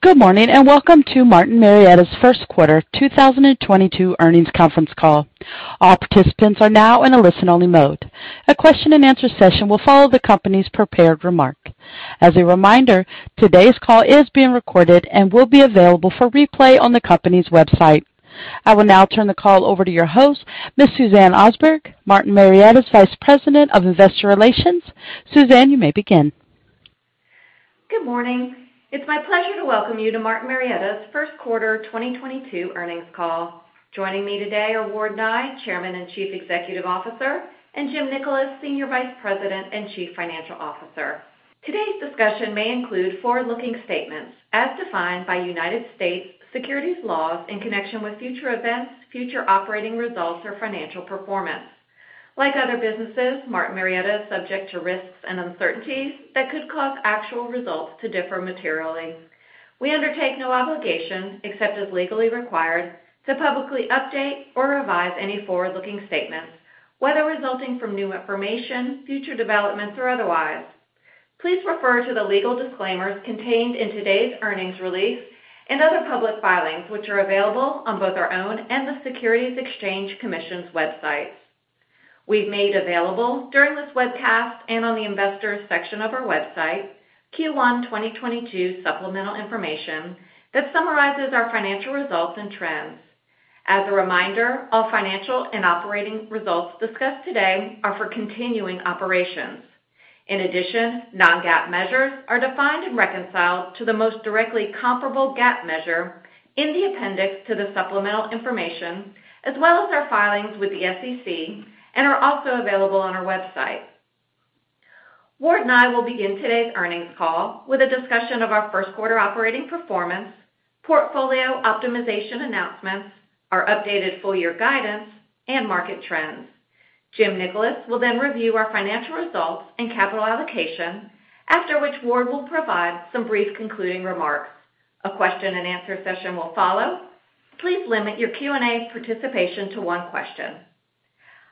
Good morning, and welcome to Martin Marietta's First Quarter 2022 Earnings Conference Call. All participants are now in a listen-only mode. A question-and-answer session will follow the company's prepared remarks. As a reminder, today's call is being recorded and will be available for replay on the company's website. I will now turn the call over to your host, Ms. Suzanne Osberg, Martin Marietta's Vice President of Investor Relations. Suzanne, you may begin. Good morning. It's my pleasure to welcome you to Martin Marietta's first quarter 2022 earnings call. Joining me today are Ward Nye, Chairman and Chief Executive Officer, and Jim Nickolas, Senior Vice President and Chief Financial Officer. Today's discussion may include forward-looking statements as defined by United States securities laws in connection with future events, future operating results, or financial performance. Like other businesses, Martin Marietta is subject to risks and uncertainties that could cause actual results to differ materially. We undertake no obligation, except as legally required, to publicly update or revise any forward-looking statements, whether resulting from new information, future developments, or otherwise. Please refer to the legal disclaimers contained in today's earnings release and other public filings, which are available on both our own and the Securities and Exchange Commission's websites. We've made available during this webcast, and on the investors section of our website, Q1 2022 supplemental information that summarizes our financial results and trends. As a reminder, all financial and operating results discussed today are for continuing operations. In addition, non-GAAP measures are defined and reconciled to the most directly comparable GAAP measure in the appendix to the supplemental information, as well as our filings with the SEC, and are also available on our website. Ward and I will begin today's earnings call with a discussion of our first quarter operating performance, portfolio optimization announcements, our updated full year guidance, and market trends. Jim Nickolas will then review our financial results and capital allocation. After which, Ward will provide some brief concluding remarks. A question-and-answer session will follow. Please limit your Q&A participation to one question.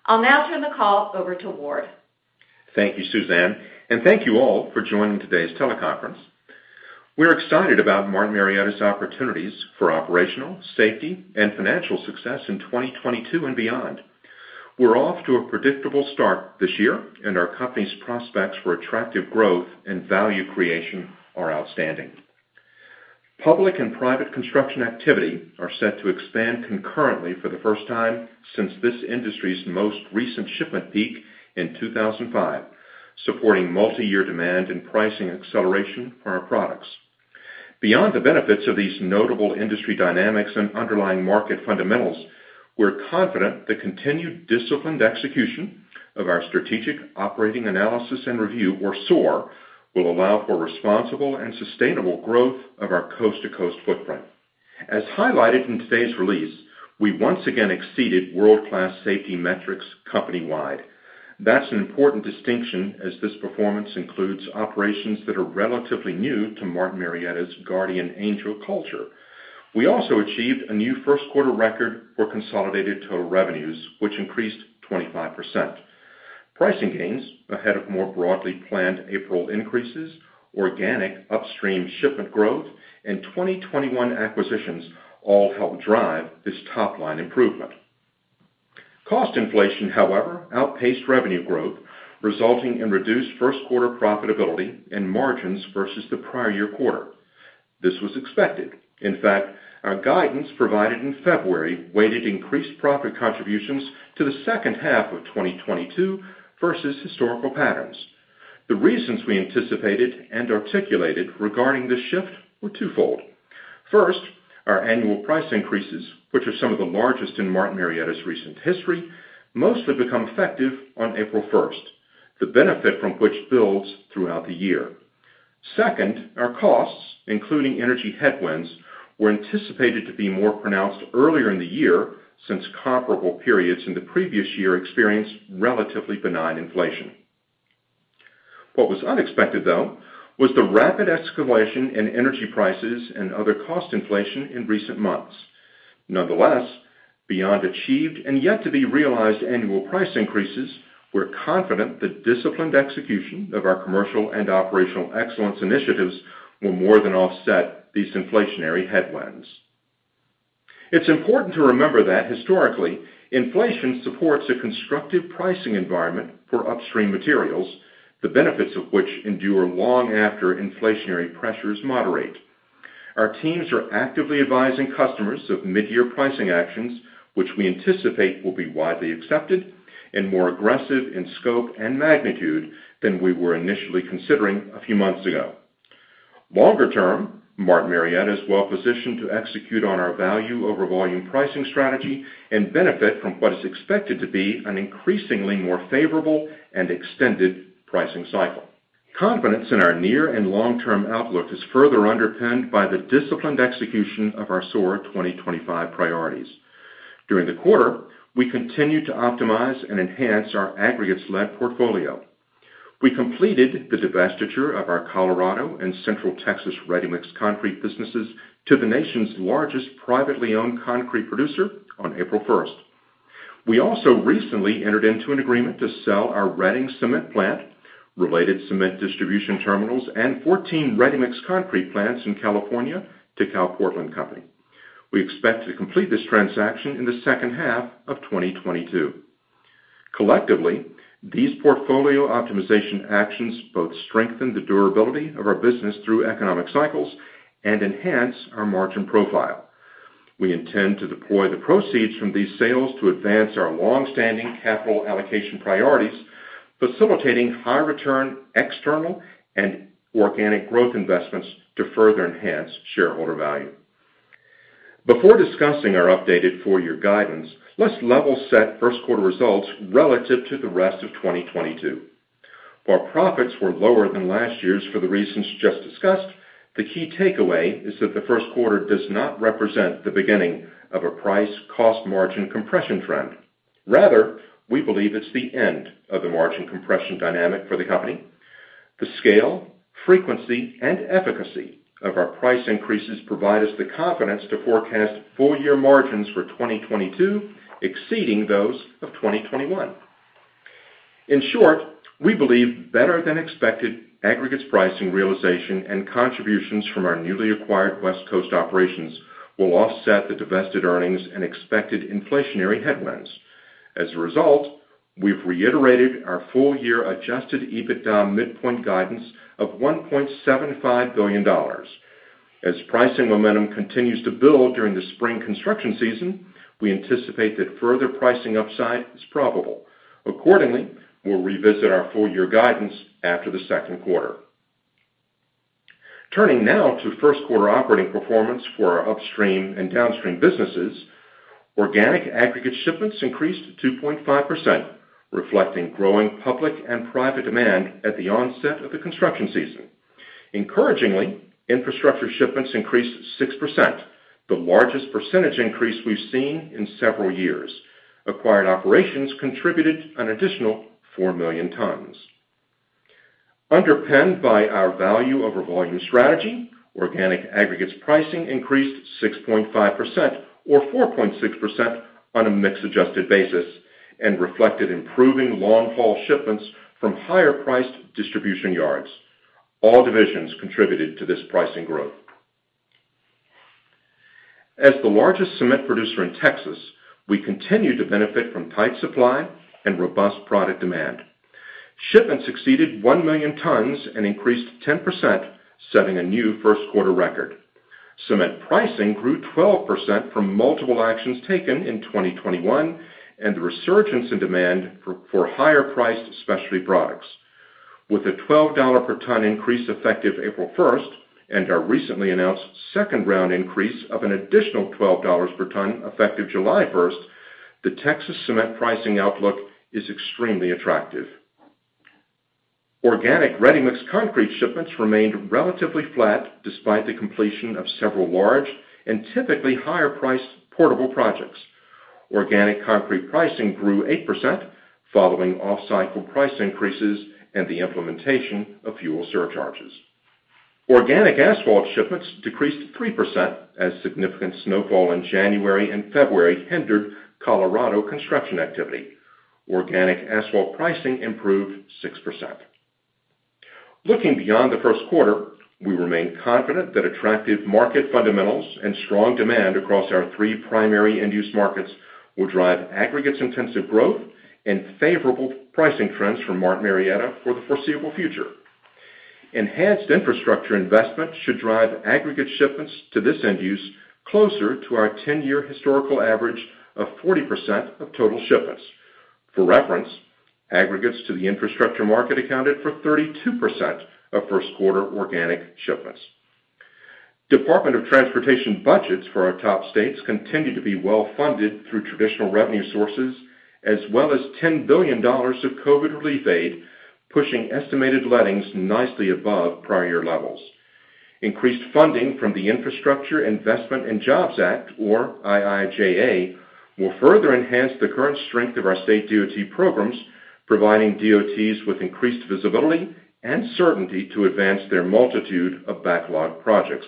I'll now turn the call over to Ward. Thank you, Suzanne, and thank you all for joining today's teleconference. We're excited about Martin Marietta's opportunities for operational, safety, and financial success in 2022 and beyond. We're off to a predictable start this year, and our company's prospects for attractive growth and value creation are outstanding. Public and private construction activity are set to expand concurrently for the first time since this industry's most recent shipment peak in 2005, supporting multi-year demand and pricing acceleration for our products. Beyond the benefits of these notable industry dynamics and underlying market fundamentals, we're confident the continued disciplined execution of our strategic operating analysis and review or SOAR will allow for responsible and sustainable growth of our coast-to-coast footprint. As highlighted in today's release, we once again exceeded world-class safety metrics company-wide. That's an important distinction as this performance includes operations that are relatively new to Martin Marietta's Guardian Angel culture. We also achieved a new first-quarter record for consolidated total revenues, which increased 25%. Pricing gains ahead of more broadly planned April increases, organic upstream shipment growth, and 2021 acquisitions all helped drive this top-line improvement. Cost inflation, however, outpaced revenue growth, resulting in reduced first-quarter profitability and margins versus the prior year quarter. This was expected. In fact, our guidance provided in February weighted increased profit contributions to the second half of 2022 versus historical patterns. The reasons we anticipated and articulated regarding this shift were twofold. First, our annual price increases, which are some of the largest in Martin Marietta's recent history, mostly become effective on April 1st, the benefit from which builds throughout the year. Second, our costs, including energy headwinds, were anticipated to be more pronounced earlier in the year since comparable periods in the previous year experienced relatively benign inflation. What was unexpected, though, was the rapid escalation in energy prices and other cost inflation in recent months. Nonetheless, beyond achieved and yet to be realized annual price increases, we're confident the disciplined execution of our commercial and operational excellence initiatives will more than offset these inflationary headwinds. It's important to remember that historically, inflation supports a constructive pricing environment for upstream materials, the benefits of which endure long after inflationary pressures moderate. Our teams are actively advising customers of mid-year pricing actions, which we anticipate will be widely accepted and more aggressive in scope and magnitude than we were initially considering a few months ago. Longer term, Martin Marietta is well-positioned to execute on our value over volume pricing strategy and benefit from what is expected to be an increasingly more favorable and extended pricing cycle. Confidence in our near and long-term outlook is further underpinned by the disciplined execution of our SOAR 2025 priorities. During the quarter, we continued to optimize and enhance our aggregates-led portfolio. We completed the divestiture of our Colorado and Central Texas ready-mix concrete businesses to the nation's largest privately owned concrete producer on April 1st. We also recently entered into an agreement to sell our Redding Cement Plant, related cement distribution terminals, and 14 ready-mix concrete plants in California to CalPortland Company. We expect to complete this transaction in the second half of 2022. Collectively, these portfolio optimization actions both strengthen the durability of our business through economic cycles and enhance our margin profile. We intend to deploy the proceeds from these sales to advance our long-standing capital allocation priorities, facilitating high return external and organic growth investments to further enhance shareholder value. Before discussing our updated full-year guidance, let's level set first quarter results relative to the rest of 2022. While profits were lower than last year's for the reasons just discussed, the key takeaway is that the first quarter does not represent the beginning of a price cost margin compression trend. Rather, we believe it's the end of the margin compression dynamic for the company. The scale, frequency, and efficacy of our price increases provide us the confidence to forecast full year margins for 2022 exceeding those of 2021. In short, we believe better than expected aggregates pricing realization and contributions from our newly acquired West Coast operations will offset the divested earnings and expected inflationary headwinds. As a result, we've reiterated our full year adjusted EBITDA midpoint guidance of $1.75 billion. As pricing momentum continues to build during the spring construction season, we anticipate that further pricing upside is probable. Accordingly, we'll revisit our full year guidance after the second quarter. Turning now to first quarter operating performance for our upstream and downstream businesses. Organic aggregate shipments increased 2.5%, reflecting growing public and private demand at the onset of the construction season. Encouragingly, infrastructure shipments increased 6%, the largest percentage increase we've seen in several years. Acquired operations contributed an additional 4 million tons. Underpinned by our value over volume strategy, organic aggregates pricing increased 6.5% or 4.6% on a mix adjusted basis and reflected improving long-haul shipments from higher priced distribution yards. All divisions contributed to this pricing growth. As the largest cement producer in Texas, we continue to benefit from tight supply and robust product demand. Shipments exceeded 1 million tons and increased 10%, setting a new first quarter record. Cement pricing grew 12% from multiple actions taken in 2021 and the resurgence in demand for higher priced specialty products. With a $12 per ton increase effective April 1st and our recently announced second round increase of an additional $12 per ton effective July 1st, the Texas cement pricing outlook is extremely attractive. Organic ready-mix concrete shipments remained relatively flat despite the completion of several large and typically higher priced portable projects. Organic concrete pricing grew 8% following off-cycle price increases and the implementation of fuel surcharges. Organic asphalt shipments decreased 3% as significant snowfall in January and February hindered Colorado construction activity. Organic asphalt pricing improved 6%. Looking beyond the first quarter, we remain confident that attractive market fundamentals and strong demand across our three primary end use markets will drive aggregates intensive growth and favorable pricing trends from Martin Marietta for the foreseeable future. Enhanced infrastructure investment should drive aggregate shipments to this end use closer to our 10-year historical average of 40% of total shipments. For reference, aggregates to the infrastructure market accounted for 32% of first quarter organic shipments. Department of Transportation budgets for our top states continue to be well-funded through traditional revenue sources as well as $10 billion of COVID relief aid, pushing estimated lettings nicely above prior year levels. Increased funding from the Infrastructure Investment and Jobs Act, or IIJA, will further enhance the current strength of our state DOT programs, providing DOTs with increased visibility and certainty to advance their multitude of backlogged projects.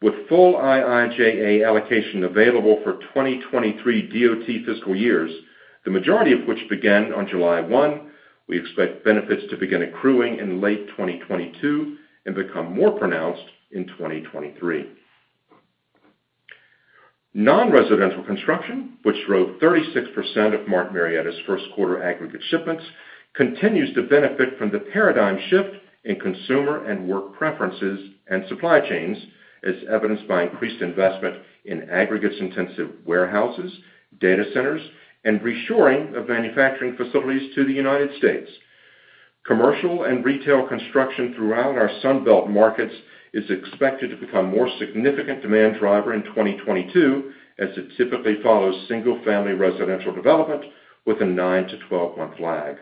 With full IIJA allocation available for 2023 DOT fiscal years, the majority of which began on July 1, we expect benefits to begin accruing in late 2022 and become more pronounced in 2023. Non-residential construction, which drove 36% of Martin Marietta's first quarter aggregate shipments, continues to benefit from the paradigm shift in consumer and work preferences and supply chains, as evidenced by increased investment in aggregates-intensive warehouses, data centers, and reshoring of manufacturing facilities to the United States. Commercial and retail construction throughout our Sun Belt markets is expected to become more significant demand driver in 2022, as it typically follows single-family residential development with a 9-12 month lag.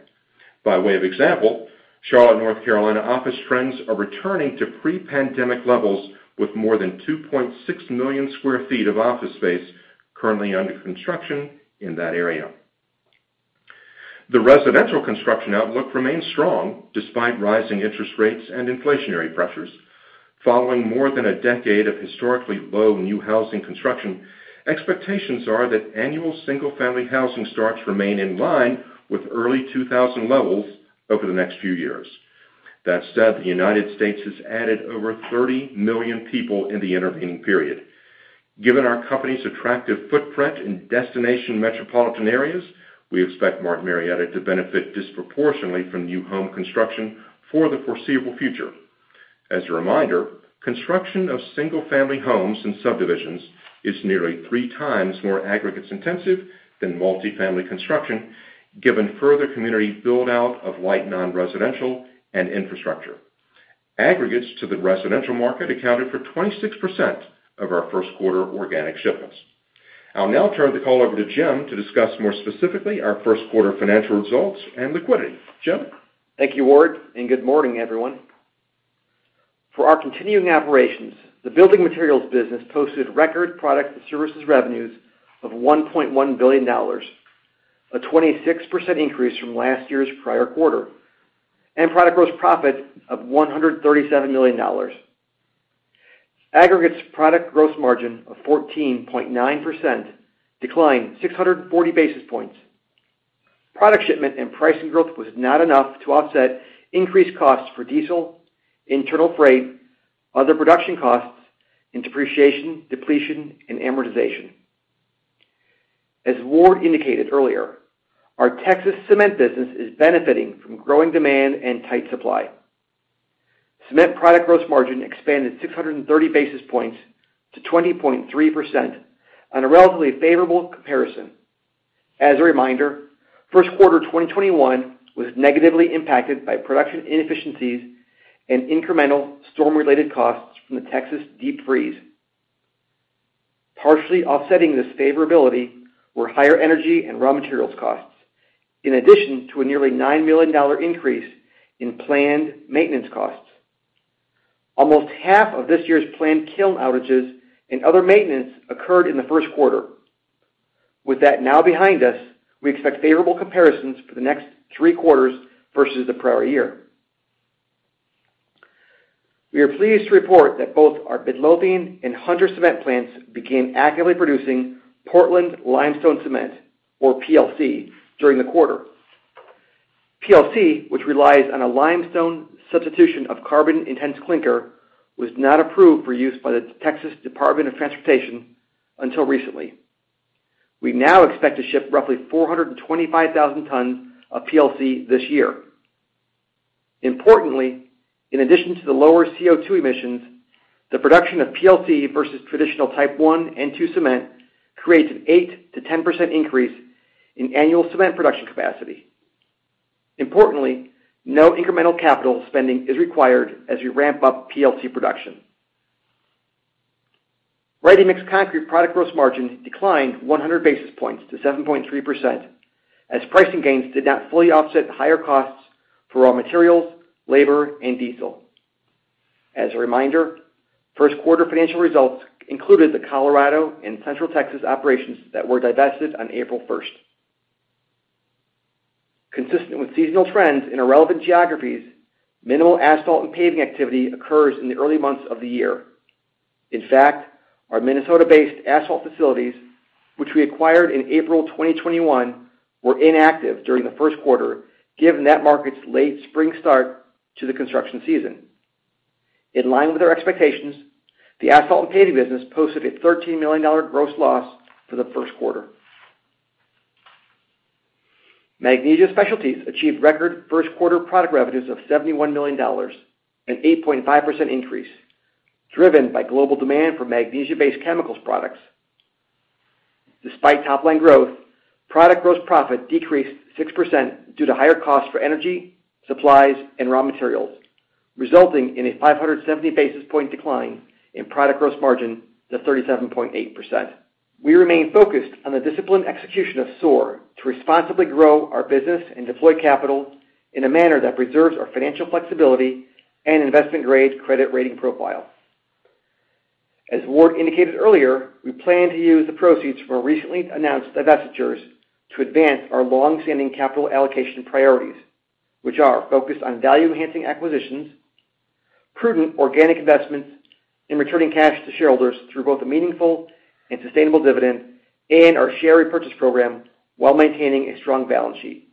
By way of example, Charlotte, North Carolina office trends are returning to pre-pandemic levels with more than 2.6 million sq ft of office space currently under construction in that area. The residential construction outlook remains strong despite rising interest rates and inflationary pressures. Following more than a decade of historically low new housing construction, expectations are that annual single-family housing starts remain in line with early 2000 levels over the next few years. That said, the United States has added over 30 million people in the intervening period. Given our company's attractive footprint in destination metropolitan areas, we expect Martin Marietta to benefit disproportionately from new home construction for the foreseeable future. As a reminder, construction of single-family homes and subdivisions is nearly three times more aggregates intensive than multi-family construction, given further community build-out of light non-residential and infrastructure. Aggregates to the residential market accounted for 26% of our first quarter organic shipments. I'll now turn the call over to Jim to discuss more specifically our first quarter financial results and liquidity. Jim? Thank you, Ward, and good morning, everyone. For our continuing operations, the building materials business posted record product and services revenues of $1.1 billion, a 26% increase from last year's prior quarter, and product gross profit of $137 million. Aggregates product gross margin of 14.9% declined 640 basis points. Product shipment and pricing growth was not enough to offset increased costs for diesel, internal freight, other production costs, and depreciation, depletion, and amortization. As Ward indicated earlier, our Texas cement business is benefiting from growing demand and tight supply. Cement product gross margin expanded 630 basis points to 20.3% on a relatively favorable comparison. As a reminder, first quarter 2021 was negatively impacted by production inefficiencies and incremental storm-related costs from the Texas deep freeze. Partially offsetting this favorability were higher energy and raw materials costs, in addition to a nearly $9 million increase in planned maintenance costs. Almost half of this year's planned kiln outages and other maintenance occurred in the first quarter. With that now behind us, we expect favorable comparisons for the next three quarters versus the prior year. We are pleased to report that both our Midlothian and Hunter cement plants began actively producing Portland limestone cement, or PLC, during the quarter. PLC, which relies on a limestone substitution of carbon-intensive clinker, was not approved for use by the Texas Department of Transportation until recently. We now expect to ship roughly 425,000 tons of PLC this year. Importantly, in addition to the lower CO2 emissions, the production of PLC versus traditional Type 1 and Type 2 cement creates an 8%-10% increase in annual cement production capacity. Importantly, no incremental capital spending is required as we ramp up PLC production. Ready-mix concrete product gross margin declined 100 basis points to 7.3% as pricing gains did not fully offset higher costs for raw materials, labor, and diesel. As a reminder, first quarter financial results included the Colorado and Central Texas operations that were divested on April 1st. Consistent with seasonal trends in relevant geographies, minimal asphalt and paving activity occurs in the early months of the year. In fact, our Minnesota-based asphalt facilities, which we acquired in April 2021, were inactive during the first quarter, given that market's late spring start to the construction season. In line with our expectations, the asphalt and paving business posted a $13 million gross loss for the first quarter. Magnesia Specialties achieved record first quarter product revenues of $71 million, an 8.5% increase, driven by global demand for magnesia-based chemicals products. Despite top line growth, product gross profit decreased 6% due to higher costs for energy, supplies, and raw materials, resulting in a 570 basis point decline in product gross margin to 37.8%. We remain focused on the disciplined execution of SOAR to responsibly grow our business and deploy capital in a manner that preserves our financial flexibility and investment grade credit rating profile. As Ward indicated earlier, we plan to use the proceeds from our recently announced divestitures to advance our long-standing capital allocation priorities, which are focused on value-enhancing acquisitions, prudent organic investments, and returning cash to shareholders through both a meaningful and sustainable dividend and our share repurchase program while maintaining a strong balance sheet.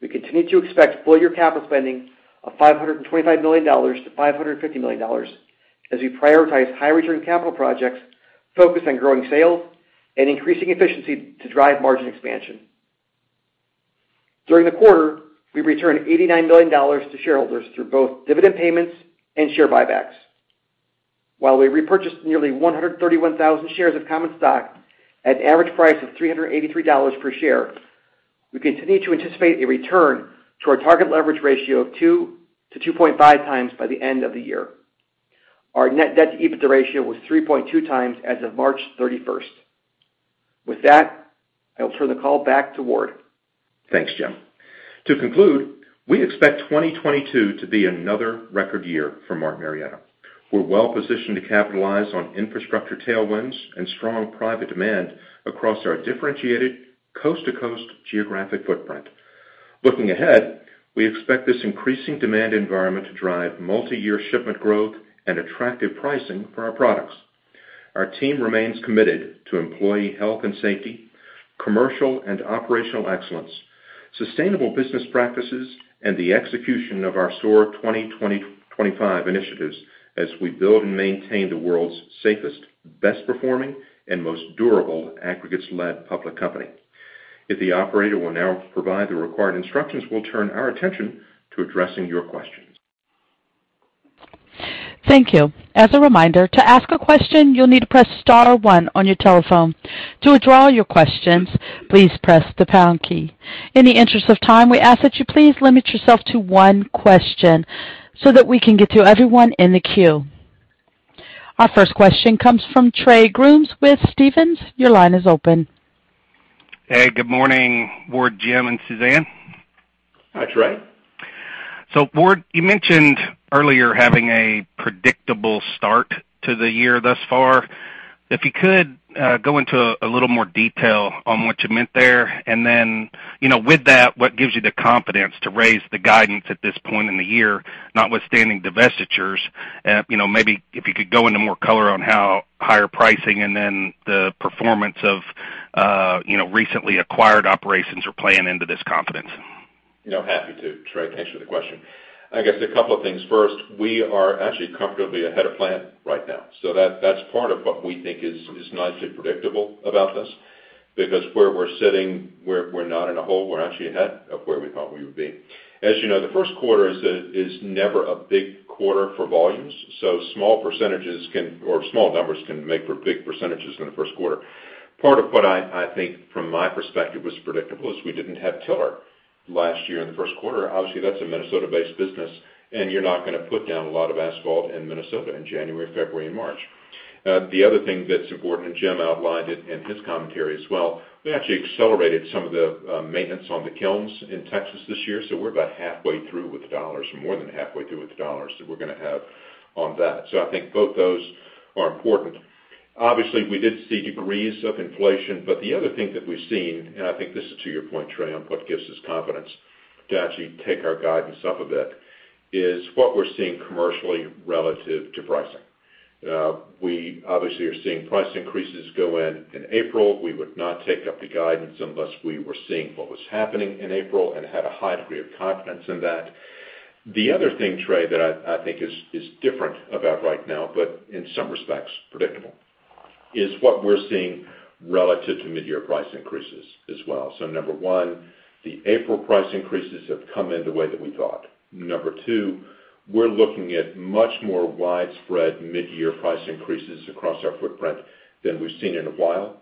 We continue to expect full-year capital spending of $525 million-$550 million as we prioritize high-return capital projects focused on growing sales and increasing efficiency to drive margin expansion. During the quarter, we returned $89 million to shareholders through both dividend payments and share buybacks. While we repurchased nearly 131,000 shares of common stock at an average price of $383 per share, we continue to anticipate a return to our target leverage ratio of 2-2.5 times by the end of the year. Our net debt-to-EBITDA ratio was 3.2 times as of March 31st. With that, I'll turn the call back to Ward. Thanks, Jim. To conclude, we expect 2022 to be another record year for Martin Marietta. We're well positioned to capitalize on infrastructure tailwinds and strong private demand across our differentiated coast-to-coast geographic footprint. Looking ahead, we expect this increasing demand environment to drive multiyear shipment growth and attractive pricing for our products. Our team remains committed to employee health and safety, commercial and operational excellence, sustainable business practices, and the execution of our SOAR 2025 initiatives as we build and maintain the world's safest, best performing and most durable aggregates-led public company. If the operator will now provide the required instructions, we'll turn our attention to addressing your questions. Thank you. As a reminder, to ask a question, you'll need to press star one on your telephone. To withdraw your questions, please press the pound key. In the interest of time, we ask that you please limit yourself to one question so that we can get to everyone in the queue. Our first question comes from Trey Grooms with Stephens. Your line is open. Hey, good morning, Ward, Jim and Suzanne. Hi, Trey. Ward, you mentioned earlier having a predictable start to the year thus far. If you could, go into a little more detail on what you meant there. Then, you know, with that, what gives you the confidence to raise the guidance at this point in the year, notwithstanding divestitures? You know, maybe if you could go into more color on how higher pricing and then the performance of, you know, recently acquired operations are playing into this confidence. You know, happy to, Trey. Thanks for the question. I guess a couple of things. First, we are actually comfortably ahead of plan right now, so that's part of what we think is nicely predictable about this because where we're sitting, we're not in a hole. We're actually ahead of where we thought we would be. As you know, the first quarter is never a big quarter for volumes. So small percentages can or small numbers can make for big percentages in the first quarter. Part of what I think from my perspective was predictable is we didn't have Tiller last year in the first quarter. Obviously, that's a Minnesota-based business, and you're not gonna put down a lot of asphalt in Minnesota in January, February and March. The other thing that's important, and Jim outlined it in his commentary as well, we actually accelerated some of the maintenance on the kilns in Texas this year, so we're about halfway through with the dollars or more than halfway through with the dollars that we're gonna have on that. I think both those are important. Obviously, we did see degrees of inflation. The other thing that we've seen, and I think this is to your point, Trey, on what gives us confidence to actually take our guidance up a bit, is what we're seeing commercially relative to pricing. We obviously are seeing price increases go in in April. We would not take up the guidance unless we were seeing what was happening in April and had a high degree of confidence in that. The other thing, Trey, that I think is different about right now, but in some respects predictable, is what we're seeing relative to midyear price increases as well. Number one, the April price increases have come in the way that we thought. Number two, we're looking at much more widespread midyear price increases across our footprint than we've seen in a while.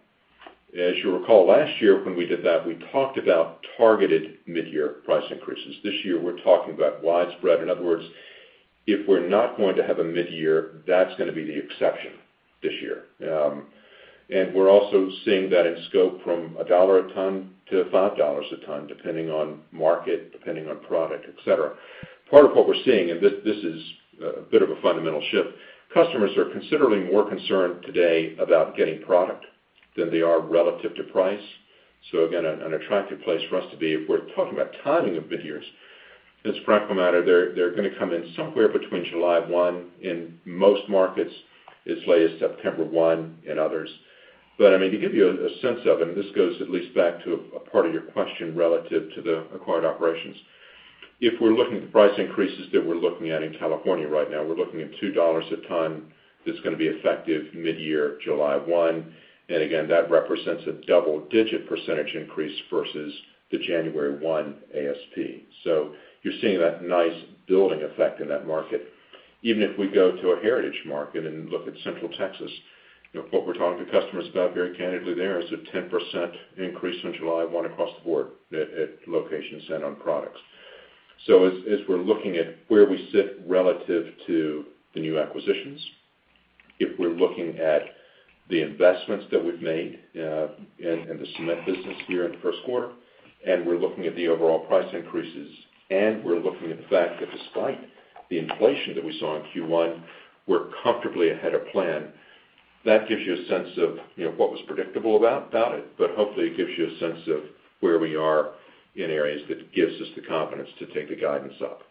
As you recall, last year when we did that, we talked about targeted midyear price increases. This year we're talking about widespread. In other words, if we're not going to have a midyear, that's gonna be the exception this year. We're also seeing that in scope from $1-$5 a ton, depending on market, depending on product, et cetera. Part of what we're seeing, and this is a bit of a fundamental shift, customers are considerably more concerned today about getting product than they are relative to price. Again, an attractive place for us to be if we're talking about timing of midyears. As a practical matter, they're gonna come in somewhere between July 1 in most markets, as late as September 1 in others. I mean, to give you a sense of, and this goes at least back to a part of your question relative to the acquired operations. If we're looking at the price increases that we're looking at in California right now, we're looking at $2 a ton that's gonna be effective midyear July 1. Again, that represents a double-digit percentage increase versus the January 1 ASP. You're seeing that nice building effect in that market. Even if we go to a heritage market and look at central Texas, you know, what we're talking to customers about very candidly there is a 10% increase on July 1 across the board at locations and on products. As we're looking at where we sit relative to the new acquisitions, if we're looking at the investments that we've made in the cement business here in the first quarter, and we're looking at the overall price increases, and we're looking at the fact that despite the inflation that we saw in Q1, we're comfortably ahead of plan. That gives you a sense of, you know, what was predictable about it, but hopefully it gives you a sense of where we are in areas that gives us the confidence to take the guidance up.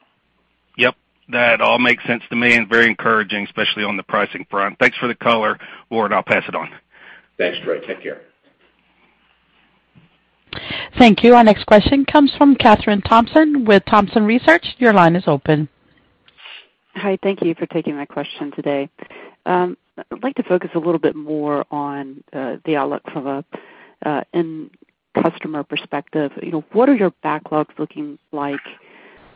Yep. That all makes sense to me and very encouraging, especially on the pricing front. Thanks for the color, Ward. I'll pass it on. Thanks, Trey. Take care. Thank you. Our next question comes from Kathryn Thompson with Thompson Research. Your line is open. Hi. Thank you for taking my question today. I'd like to focus a little bit more on the outlook from a end customer perspective. You know, what are your backlogs looking like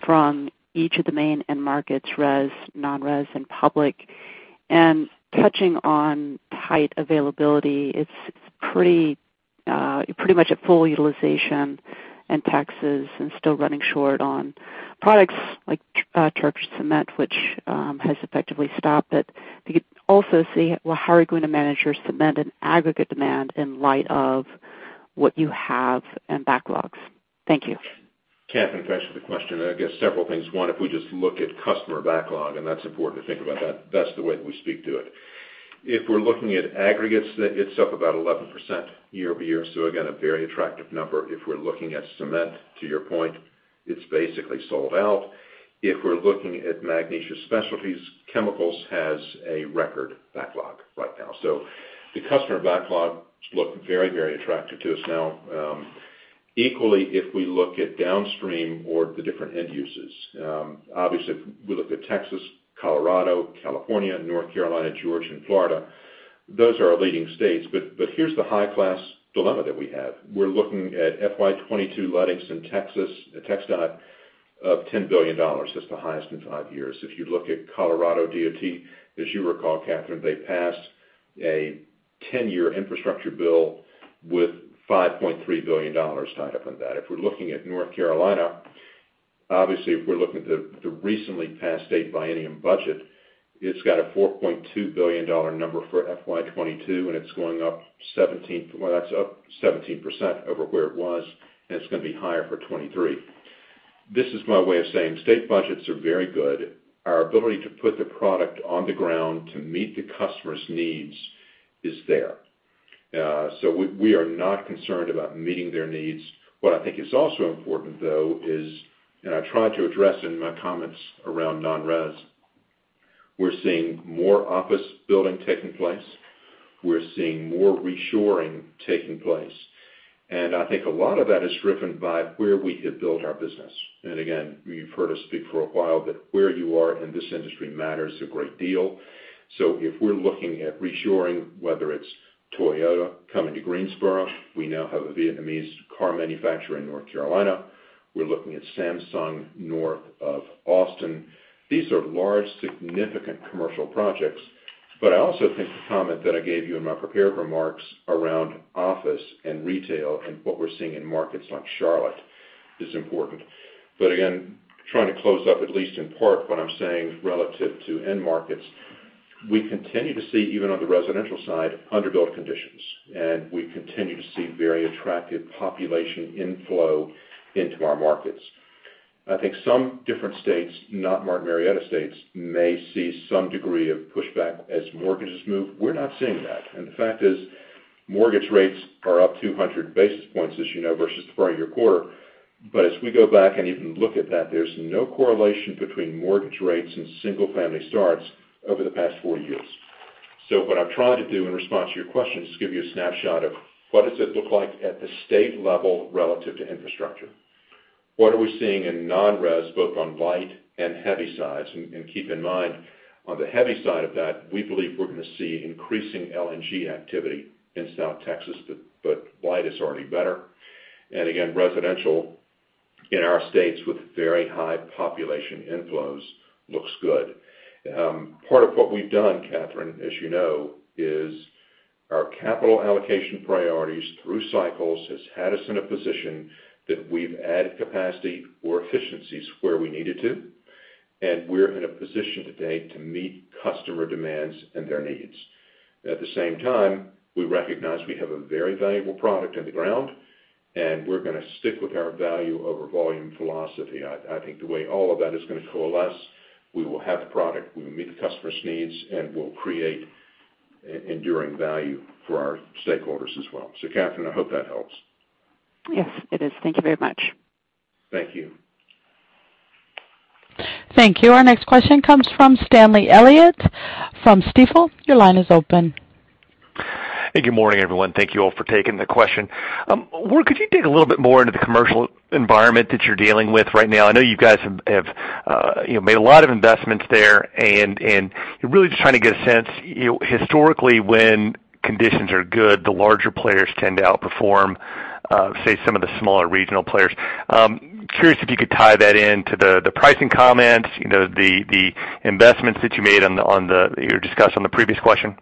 from each of the main end markets, res, non-res and public? And touching on tight availability, it's pretty much at full utilization in Texas and still running short on products like charged cement, which has effectively stopped. But you could also see, well, how are you going to manage your cement and aggregate demand in light of what you have and backlogs? Thank you. Kathryn, thanks for the question. I guess several things. One, if we just look at customer backlog, and that's important to think about that's the way that we speak to it. If we're looking at aggregates, it's up about 11% year-over-year, so again, a very attractive number. If we're looking at cement, to your point, it's basically sold out. If we're looking at Magnesia Specialties, chemicals has a record backlog right now. The customer backlogs look very, very attractive to us now. Equally, if we look at downstream or the different end uses, obviously if we look at Texas, Colorado, California, North Carolina, Georgia and Florida, those are our leading states. Here's the high-class dilemma that we have. We're looking at FY 2022 lettings in Texas, a TxDOT of $10 billion. That's the highest in five years. If you look at Colorado DOT, as you recall, Kathryn, they passed a ten-year infrastructure bill with $5.3 billion tied up in that. If we're looking at North Carolina, obviously, if we're looking at the recently passed state biennium budget, it's got a $4.2 billion number for FY 2022, and it's going up. Well, that's up 17% over where it was, and it's gonna be higher for 2023. This is my way of saying state budgets are very good. Our ability to put the product on the ground to meet the customer's needs is there. So we are not concerned about meeting their needs. What I think is also important, though, is and I tried to address in my comments around non-res. We're seeing more office building taking place. We're seeing more reshoring taking place. I think a lot of that is driven by where we could build our business. Again, you've heard us speak for a while, but where you are in this industry matters a great deal. If we're looking at reshoring, whether it's Toyota coming to Greensboro, we now have a Vietnamese car manufacturer in North Carolina. We're looking at Samsung, north of Austin. These are large, significant commercial projects. I also think the comment that I gave you in my prepared remarks around office and retail and what we're seeing in markets like Charlotte is important. Again, trying to close up, at least in part, what I'm saying relative to end markets, we continue to see, even on the residential side, underbuild conditions, and we continue to see very attractive population inflow into our markets. I think some different states, not Martin Marietta states, may see some degree of pushback as mortgages move. We're not seeing that. The fact is, mortgage rates are up 200 basis points, as you know, versus the prior year quarter. As we go back and even look at that, there's no correlation between mortgage rates and single-family starts over the past four years. What I'm trying to do in response to your question is to give you a snapshot of what does it look like at the state level relative to infrastructure? What are we seeing in non-res, both on light and heavy sides? Keep in mind, on the heavy side of that, we believe we're gonna see increasing LNG activity in South Texas, but light is already better. Again, residential in our states with very high population inflows looks good. Part of what we've done, Kathryn, as you know, is our capital allocation priorities through cycles has had us in a position that we've added capacity or efficiencies where we needed to, and we're in a position today to meet customer demands and their needs. At the same time, we recognize we have a very valuable product in the ground, and we're gonna stick with our value over volume philosophy. I think the way all of that is gonna coalesce, we will have the product, we will meet the customer's needs, and we'll create enduring value for our stakeholders as well. Kathryn, I hope that helps. Yes, it is. Thank you very much. Thank you. Thank you. Our next question comes from Stanley Elliott from Stifel. Your line is open. Hey, good morning, everyone. Thank you all for taking the question. Where could you dig a little bit more into the commercial environment that you're dealing with right now? I know you guys have you know made a lot of investments there, and really just trying to get a sense, you know, historically, when conditions are good, the larger players tend to outperform say some of the smaller regional players. Curious if you could tie that into the pricing comments, you know, the investments that you made on the you discussed on the previous question.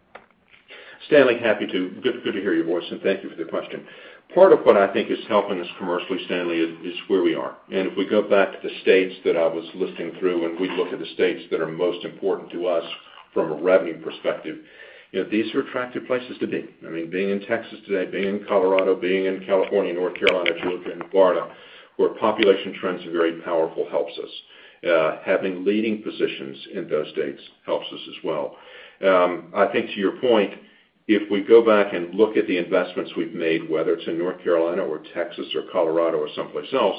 Stanley, happy to. Good to hear your voice, and thank you for the question. Part of what I think is helping us commercially, Stanley, is where we are. If we go back to the states that I was listing through, and we look at the states that are most important to us from a revenue perspective, you know, these are attractive places to be. I mean, being in Texas today, being in Colorado, being in California, North Carolina, Georgia, and Florida, where population trends are very powerful, helps us. Having leading positions in those states helps us as well. I think to your point, if we go back and look at the investments we've made, whether it's in North Carolina or Texas or Colorado or someplace else,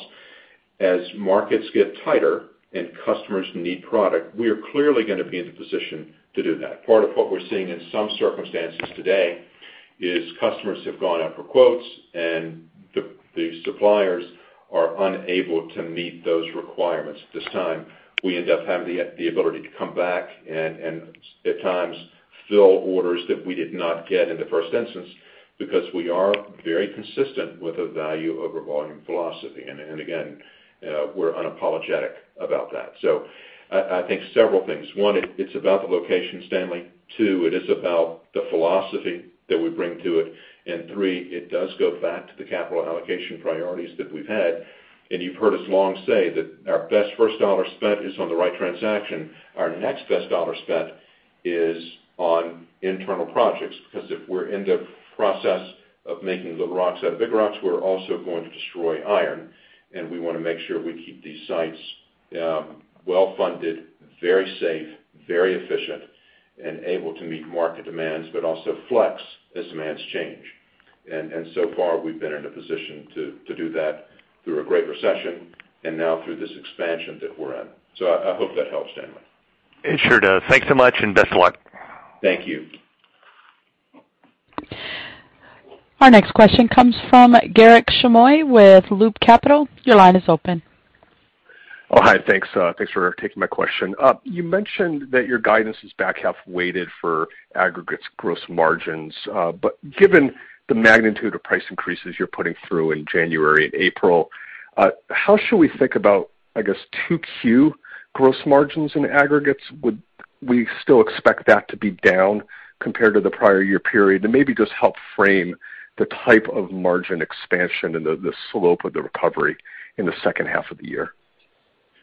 as markets get tighter and customers need product, we are clearly gonna be in the position to do that. Part of what we're seeing in some circumstances today is customers have gone out for quotes and the suppliers are unable to meet those requirements at this time. We end up having the ability to come back and at times fill orders that we did not get in the first instance because we are very consistent with a value over volume philosophy. Again, we're unapologetic about that. I think several things. One, it's about the location, Stanley. Two, it is about the philosophy that we bring to it. Three, it does go back to the capital allocation priorities that we've had. You've heard us long say that our best first dollar spent is on the right transaction. Our next best dollar spent is on internal projects, because if we're in the process of making the rocks out of big rocks, we're also going to destroy value, and we wanna make sure we keep these sites, well-funded, very safe, very efficient, and able to meet market demands, but also flex as demands change. So far, we've been in a position to do that through a great recession and now through this expansion that we're in. I hope that helps, Stanley. It sure does. Thanks so much, and best of luck. Thank you. Our next question comes from Garik Shmois with Loop Capital. Your line is open. Hi. Thanks for taking my question. You mentioned that your guidance is back half weighted for aggregates gross margins. But given the magnitude of price increases you're putting through in January and April, how should we think about, I guess, 2Q gross margins in aggregates? Would we still expect that to be down compared to the prior year period? Maybe just help frame the type of margin expansion and the slope of the recovery in the second half of the year.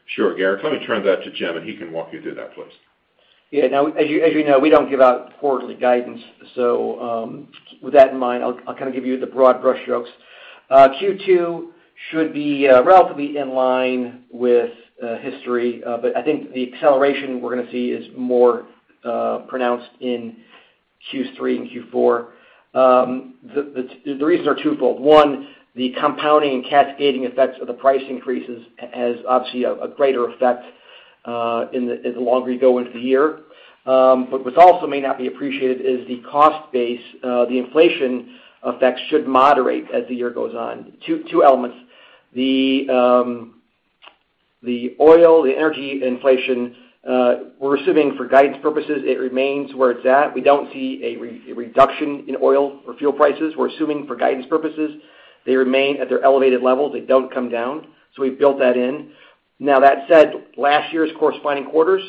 Sure, Garik. Let me turn that to Jim, and he can walk you through that, please. Yeah. Now, as you know, we don't give out quarterly guidance. With that in mind, I'll kinda give you the broad brushstrokes. Q2 should be relatively in line with history. I think the acceleration we're gonna see is more pronounced in Q3 and Q4. The reasons are twofold. One, the compounding and cascading effects of the price increases has obviously a greater effect the longer you go into the year. What also may not be appreciated is the cost base, the inflation effects should moderate as the year goes on. Two elements. The oil, the energy inflation, we're assuming for guidance purposes, it remains where it's at. We don't see a reduction in oil or fuel prices. We're assuming for guidance purposes, they remain at their elevated levels. They don't come down. We've built that in. Now that said, last year's corresponding quarters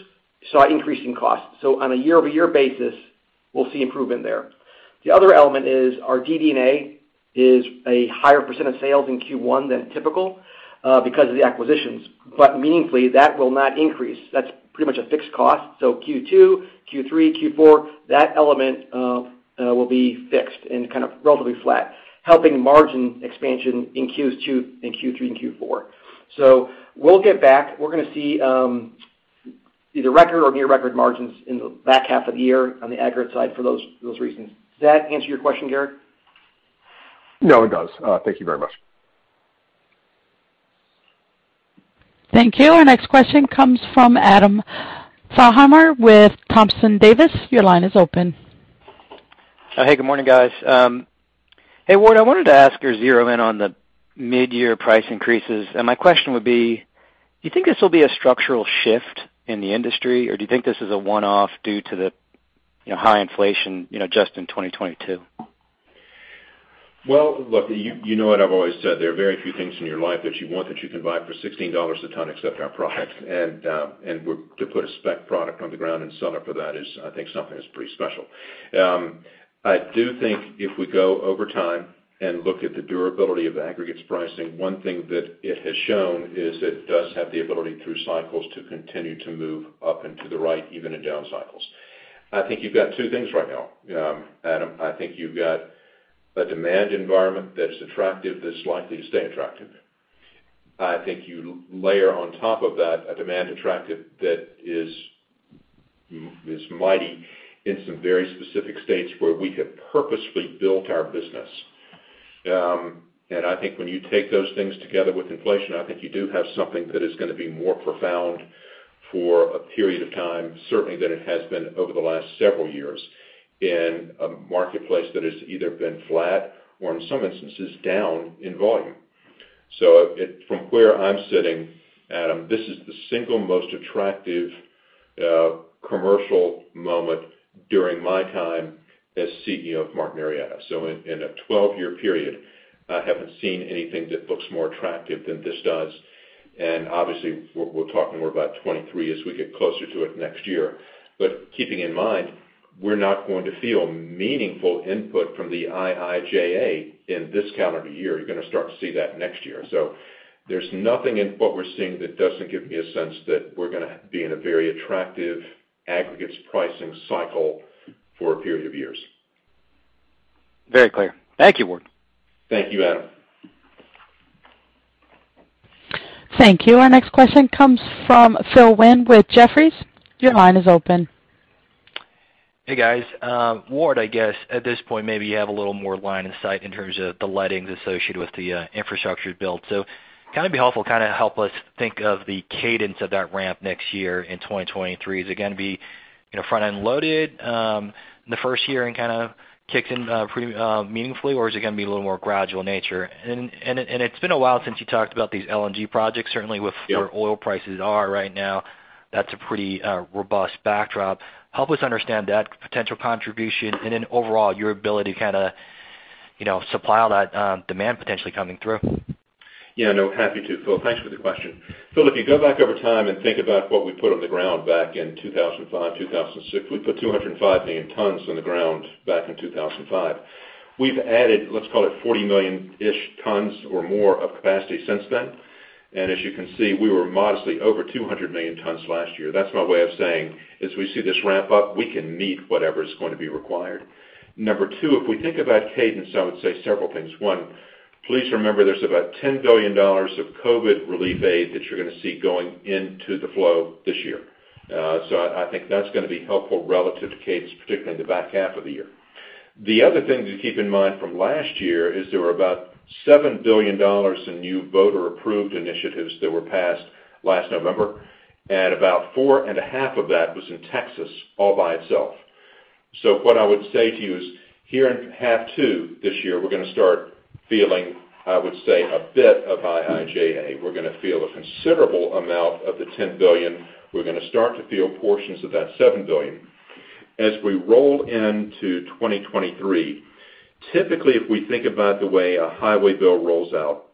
saw increasing costs. On a year-over-year basis, we'll see improvement there. The other element is our DD&A is a higher % of sales in Q1 than typical, because of the acquisitions. Meaningfully, that will not increase. That's pretty much a fixed cost. Q2, Q3, Q4, that element, will be fixed and kind of relatively flat, helping margin expansion in Q2 and Q3 and Q4. We'll get back. We're gonna see, either record or near record margins in the back half of the year on the aggregate side for those reasons. Does that answer your question, Garik? No, it does. Thank you very much. Thank you. Our next question comes from Adam Thalhimer with Thompson Davis. Your line is open. Oh, hey, good morning, guys. Hey, Ward, I wanted to ask you to zero in on the midyear price increases. My question would be: You think this will be a structural shift in the industry, or do you think this is a one-off due to the, you know, high inflation, you know, just in 2022? Well, look, you know what I've always said. There are very few things in your life that you want that you can buy for $16 a ton except our product. To put a spec product on the ground and sell it for that is, I think, something that's pretty special. I do think if we go over time and look at the durability of the aggregates pricing, one thing that it has shown is it does have the ability through cycles to continue to move up and to the right, even in down cycles. I think you've got two things right now, Adam. I think you've got a demand environment that's attractive, that's likely to stay attractive. I think you layer on top of that a demand attractive that is mighty in some very specific states where we have purposefully built our business. I think when you take those things together with inflation, I think you do have something that is gonna be more profound for a period of time, certainly than it has been over the last several years, in a marketplace that has either been flat or in some instances, down in volume. From where I'm sitting, Adam, this is the single most attractive commercial moment during my time as CEO of Martin Marietta. In a 12-year period, I haven't seen anything that looks more attractive than this does. Obviously, we're talking more about 2023 as we get closer to it next year. Keeping in mind, we're not going to feel meaningful input from the IIJA in this calendar year. You're gonna start to see that next year. There's nothing in what we're seeing that doesn't give me a sense that we're gonna be in a very attractive aggregates pricing cycle for a period of years. Very clear. Thank you, Ward. Thank you, Adam. Thank you. Our next question comes from Philip Ng with Jefferies. Your line is open. Hey, guys. Ward, I guess at this point, maybe you have a little more line of sight in terms of the lettings associated with the infrastructure build. Help us think of the cadence of that ramp next year in 2023. Is it gonna be, you know, front-end loaded in the first year and kinda kicks in pretty meaningfully, or is it gonna be a little more gradual in nature? It's been a while since you talked about these LNG projects. Certainly with where oil prices are right now, that's a pretty robust backdrop. Help us understand that potential contribution and in overall, your ability to kinda, you know, supply all that demand potentially coming through. Yeah, no, happy to, Phil. Thanks for the question. Phil, if you go back over time and think about what we put on the ground back in 2005, 2006, we put 205 million tons on the ground back in 2005. We've added, let's call it 40 million-ish tons or more of capacity since then. As you can see, we were modestly over 200 million tons last year. That's my way of saying, as we see this ramp up, we can meet whatever is going to be required. Number two, if we think about cadence, I would say several things. One, please remember there's about $10 billion of COVID relief aid that you're gonna see going into the flow this year. I think that's gonna be helpful relative to cadence, particularly in the back half of the year. The other thing to keep in mind from last year is there were about $7 billion in new voter-approved initiatives that were passed last November, and about $4.5 billion of that was in Texas all by itself. What I would say to you is here in half two this year, we're gonna start feeling, I would say, a bit of IIJA. We're gonna feel a considerable amount of the $10 billion. We're gonna start to feel portions of that $7 billion. As we roll into 2023, typically, if we think about the way a highway bill rolls out,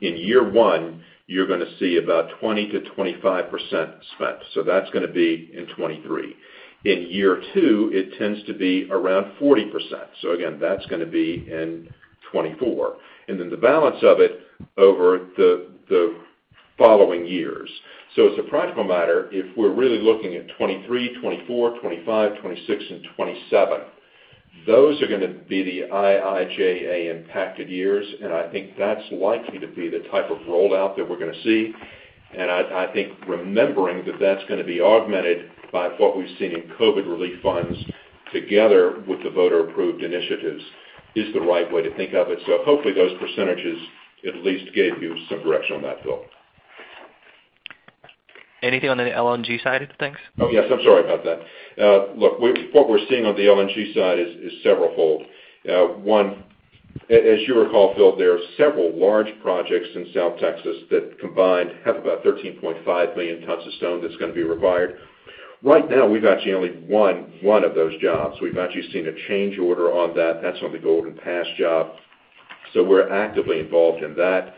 in year one, you're gonna see about 20%-25% spent. That's gonna be in 2023. In year two, it tends to be around 40%. That's gonna be in 2024. The balance of it over the following years. As a practical matter, if we're really looking at 2023, 2024, 2025, 2026 and 2027, those are gonna be the IIJA impacted years, and I think that's likely to be the type of rollout that we're gonna see. I think remembering that that's gonna be augmented by what we've seen in COVID relief funds together with the voter-approved initiatives is the right way to think of it. Hopefully, those percentages at least gave you some direction on that, Phil. Anything on the LNG side of things? Oh, yes. I'm sorry about that. Look, what we're seeing on the LNG side is severalfold. One, as you recall, Phil, there are several large projects in South Texas that combined have about 13.5 million tons of stone that's gonna be required. Right now, we've actually only one of those jobs. We've actually seen a change order on that. That's on the Golden Pass job. We're actively involved in that.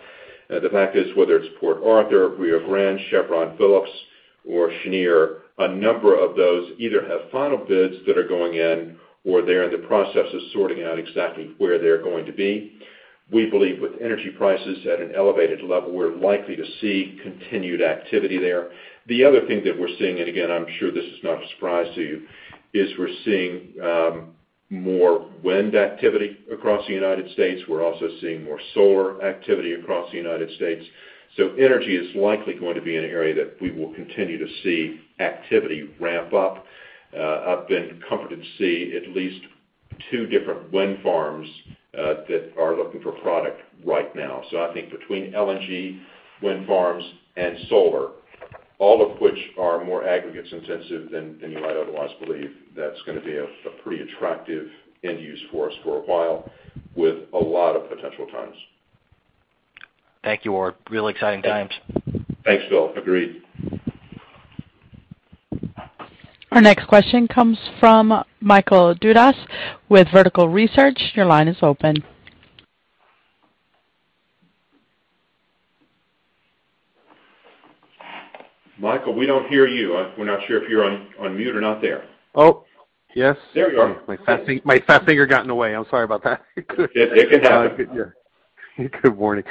The fact is, whether it's Port Arthur, Rio Grande, Chevron Phillips or Cheniere, a number of those either have final bids that are going in or they're in the process of sorting out exactly where they're going to be. We believe with energy prices at an elevated level, we're likely to see continued activity there. The other thing that we're seeing, and again I'm sure this is not a surprise to you, is we're seeing more wind activity across the United States. We're also seeing more solar activity across the United States. Energy is likely going to be an area that we will continue to see activity ramp up. I've been comforted to see at least two different wind farms that are looking for product right now. I think between LNG, wind farms, and solar, all of which are more aggregates intensive than you might otherwise believe, that's gonna be a pretty attractive end use for us for a while, with a lot of potential tons. Thank you, Ward. Real exciting times. Thanks, Phil. Agreed. Our next question comes from Michael Dudas with Vertical Research. Your line is open. Michael, we don't hear you. We're not sure if you're on mute or not there. Oh, yes. There we are. My fast finger got in the way. I'm sorry about that. It can happen. Good morning.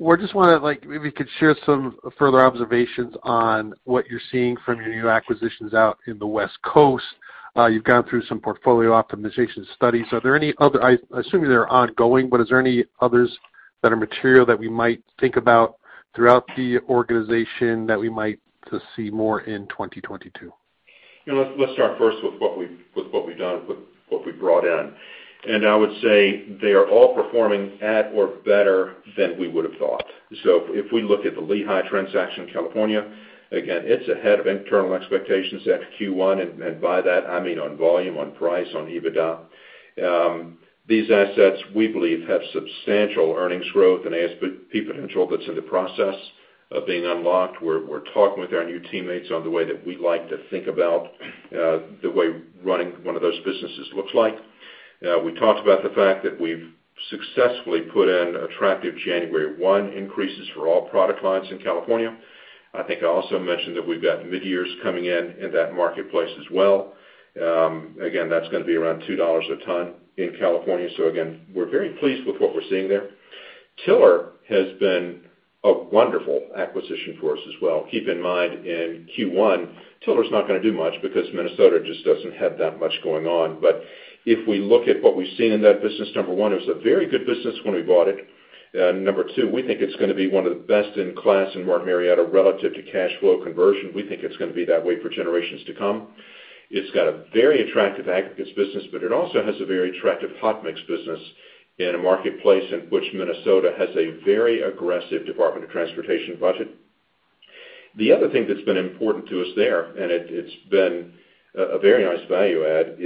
Ward, just wanna, like, maybe you could share some further observations on what you're seeing from your new acquisitions out in the West Coast. You've gone through some portfolio optimization studies. Are there any other. I assume they're ongoing, but is there any others that are material that we might think about throughout the organization that we might just see more in 2022? Yeah. Let's start first with what we've done, with what we brought in. I would say they are all performing at or better than we would've thought. If we look at the Lehigh transaction in California, again, it's ahead of internal expectations at Q1. By that, I mean on volume, on price, on EBITDA. These assets, we believe, have substantial earnings growth and ASP potential that's in the process of being unlocked. We're talking with our new teammates on the way that we like to think about the way running one of those businesses looks like. We talked about the fact that we've successfully put in attractive January 1 increases for all product lines in California. I think I also mentioned that we've got midyears coming in in that marketplace as well. Again, that's gonna be around $2 a ton in California. Again, we're very pleased with what we're seeing there. Tiller has been a wonderful acquisition for us as well. Keep in mind, in Q1, Tiller's not gonna do much because Minnesota just doesn't have that much going on. If we look at what we've seen in that business, number one, it was a very good business when we bought it. Number two, we think it's gonna be one of the best in class in Martin Marietta relative to cash flow conversion. We think it's gonna be that way for generations to come. It's got a very attractive aggregates business, but it also has a very attractive hot mix business in a marketplace in which Minnesota has a very aggressive Department of Transportation budget. The other thing that's been important to us there is a very nice value add,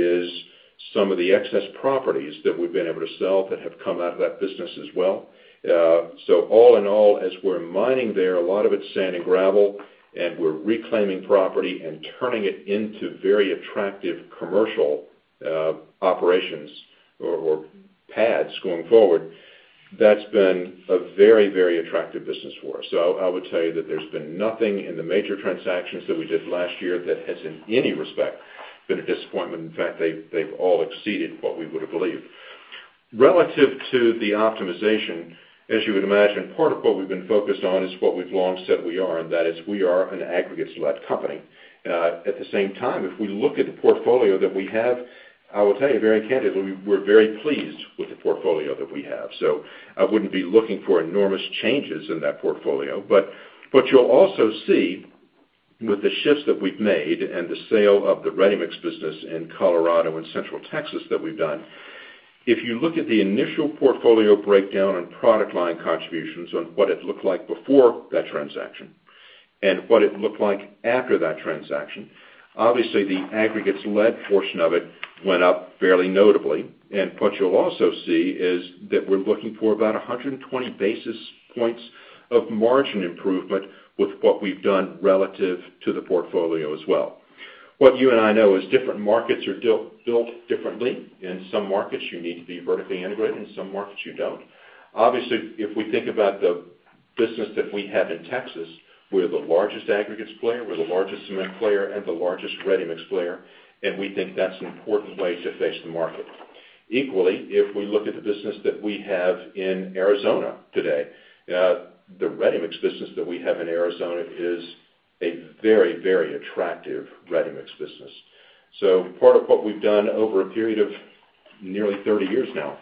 some of the excess properties that we've been able to sell that have come out of that business as well. So all in all, as we're mining there, a lot of it's sand and gravel, and we're reclaiming property and turning it into very attractive commercial operations or pads going forward. That's been a very attractive business for us. I would tell you that there's been nothing in the major transactions that we did last year that has in any respect been a disappointment. In fact, they've all exceeded what we would have believed. Relative to the optimization, as you would imagine, part of what we've been focused on is what we've long said we are, and that is we are an aggregates-led company. At the same time, if we look at the portfolio that we have, I will tell you very candidly, we're very pleased with the portfolio that we have. I wouldn't be looking for enormous changes in that portfolio. But you'll also see with the shifts that we've made and the sale of the ready-mix business in Colorado and Central Texas that we've done, if you look at the initial portfolio breakdown and product line contributions on what it looked like before that transaction and what it looked like after that transaction, obviously, the aggregates-led portion of it went up fairly notably. What you'll also see is that we're looking for about 100 basis points of margin improvement with what we've done relative to the portfolio as well. What you and I know is different markets are built differently. In some markets, you need to be vertically integrated. In some markets, you don't. Obviously, if we think about the business that we have in Texas, we're the largest aggregates player, we're the largest cement player, and the largest ready-mix player, and we think that's an important way to face the market. Equally, if we look at the business that we have in Arizona today, the ready-mix business that we have in Arizona is a very, very attractive ready-mix business. Part of what we've done over a period of nearly 30 years now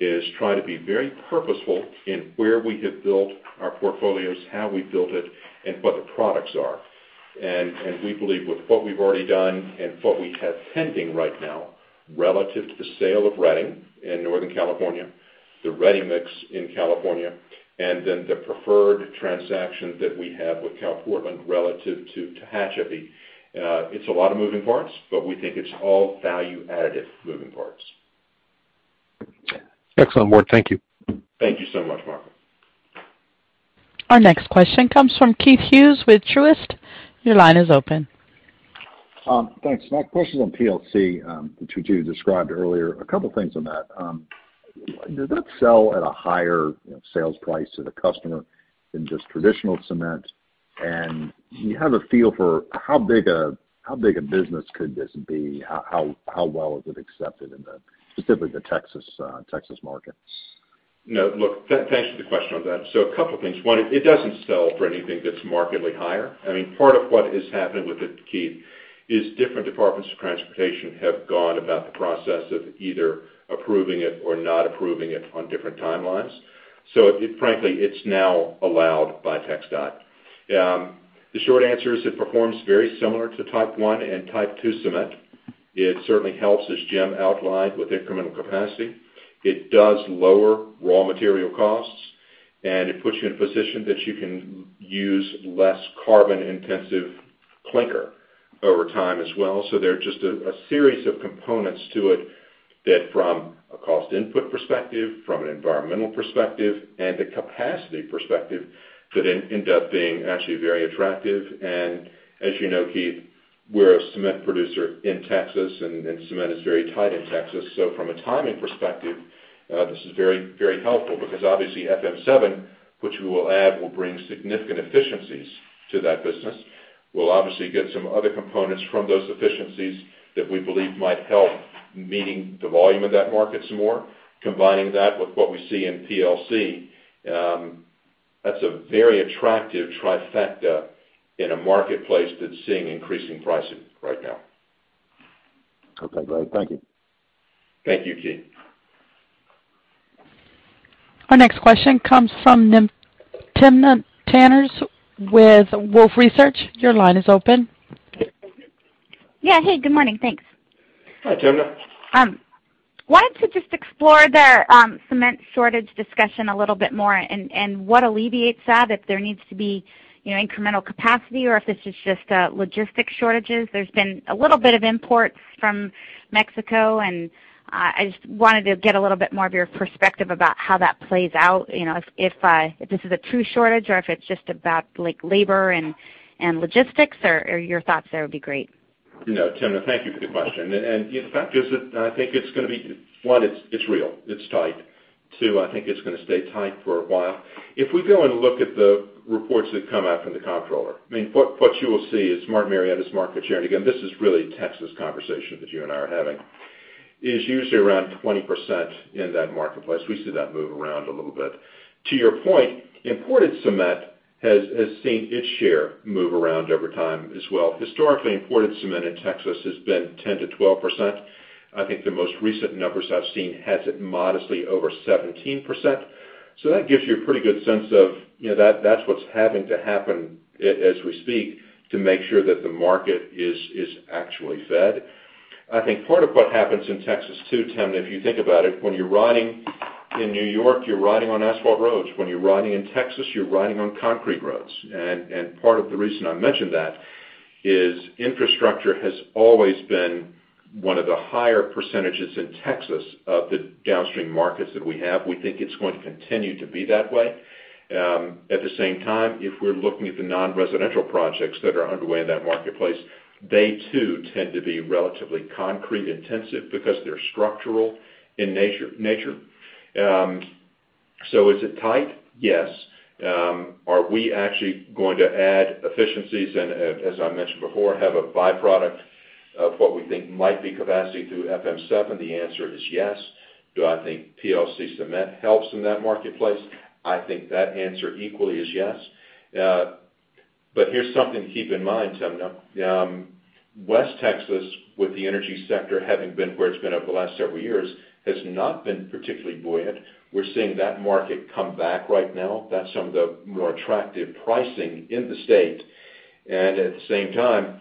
is try to be very purposeful in where we have built our portfolios, how we built it, and what the products are. We believe with what we've already done and what we have pending right now, relative to the sale of Redding in Northern California, the ready-mix in California, and then the preferred transaction that we have with CalPortland relative to Tehachapi. It's a lot of moving parts, but we think it's all value-added moving parts. Excellent, Ward. Thank you. Thank you so much, Mike. Our next question comes from Keith Hughes with Truist. Your line is open. Thanks. My question is on PLC, which you described earlier. A couple of things on that. Does that sell at a higher sales price to the customer than just traditional cement? Do you have a feel for how big a business could this be? How well is it accepted specifically in the Texas markets? No, look, thanks for the question on that. A couple of things. One, it doesn't sell for anything that's markedly higher. I mean, part of what is happening with it, Keith, is different departments of transportation have gone about the process of either approving it or not approving it on different timelines. Frankly, it's now allowed by TxDOT. The short answer is it performs very similar to Type 1 and Type 2 cement. It certainly helps, as Jim outlined, with incremental capacity. It does lower raw material costs, and it puts you in a position that you can use less carbon-intensive clinker over time as well. There are just a series of components to it that from a cost input perspective, from an environmental perspective, and a capacity perspective, could end up being actually very attractive. As you know, Keith, we're a cement producer in Texas, and cement is very tight in Texas. From a timing perspective, this is very, very helpful because obviously FM7, which we will add, will bring significant efficiencies to that business. We'll obviously get some other components from those efficiencies that we believe might help meeting the volume of that market some more. Combining that with what we see in PLC, that's a very attractive trifecta in a marketplace that's seeing increasing pricing right now. Okay, great. Thank you. Thank you, Keith. Our next question comes from Timna Tanners with Wolfe Research. Your line is open. Yeah. Hey, good morning. Thanks. Hi, Timna. Wanted to just explore the cement shortage discussion a little bit more and what alleviates that, if there needs to be you know incremental capacity or if this is just logistics shortages. There's been a little bit of imports from Mexico, and I just wanted to get a little bit more of your perspective about how that plays out, you know, if this is a true shortage or if it's just about like labor and logistics. Your thoughts there would be great. No, Timna, thank you for the question. The fact is that I think it's gonna be, one, it's real, it's tight. Two, I think it's gonna stay tight for a while. If we go and look at the reports that come out from the comptroller, I mean, what you will see is Martin Marietta's market share, and again, this is really Texas conversation that you and I are having, is usually around 20% in that marketplace. We see that move around a little bit. To your point, imported cement has seen its share move around over time as well. Historically, imported cement in Texas has been 10%-12%. I think the most recent numbers I've seen has it modestly over 17%. That gives you a pretty good sense of, you know, that that's what's having to happen as we speak to make sure that the market is actually fed. I think part of what happens in Texas, too, Timna, if you think about it, when you're riding in New York, you're riding on asphalt roads. When you're riding in Texas, you're riding on concrete roads. And part of the reason I mention that is infrastructure has always been one of the higher percentages in Texas of the downstream markets that we have. We think it's going to continue to be that way. At the same time, if we're looking at the non-residential projects that are underway in that marketplace. They too tend to be relatively concrete intensive because they're structural in nature. Is it tight? Yes. Are we actually going to add efficiencies and as I mentioned before, have a byproduct of what we think might be capacity through FM7? The answer is yes. Do I think PLC cement helps in that marketplace? I think that answer equally is yes. Here's something to keep in mind, Timna. West Texas, with the energy sector having been where it's been over the last several years, has not been particularly buoyant. We're seeing that market come back right now. That's some of the more attractive pricing in the state. At the same time,